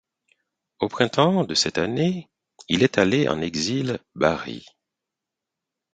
Au printemps de cette année, il est allé en exil Bari.